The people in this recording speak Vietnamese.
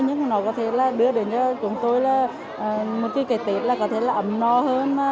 nhưng nó có thể là đưa đến cho chúng tôi là một cái tết là có thể là ấm no hơn